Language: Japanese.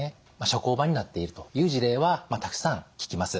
社交場になっているという事例はたくさん聞きます。